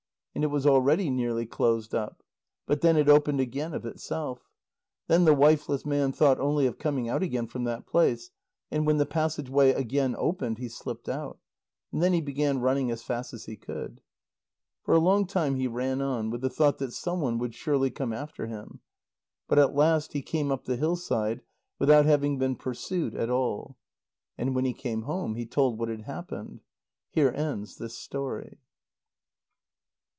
And it was already nearly closed up. But then it opened again of itself. Then the wifeless man thought only of coming out again from that place, and when the passage way again opened, he slipped out. And then he began running as fast as he could. For a long time he ran on, with the thought that some one would surely come after him. But at last he came up the hillside, without having been pursued at all. And when he came home, he told what had happened. Here ends this story.